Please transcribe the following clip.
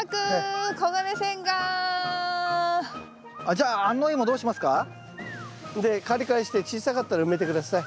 じゃあ安納いもどうしますか？でかりかりして小さかったら埋めて下さい。